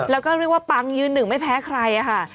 แล้วก็เรียกว่าปังยืนหนึ่งไม่แพ้ใครค่ะ